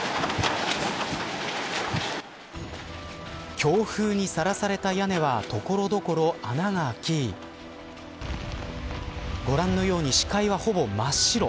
強風にさらされた屋根は所々、穴が開きご覧のように視界はほぼ真っ白。